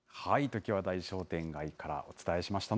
常盤台商店街からお伝えしました。